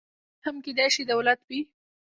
یا هم کېدای شي دولت وي.